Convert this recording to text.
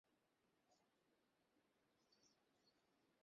লজ্জায় সে চিঠিখানা একবার ছুঁড়িয়া ফেলিয়া দিল।